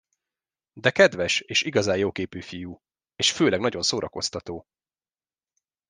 De kedves és igazán jóképű fiú, és főleg nagyon szórakoztató.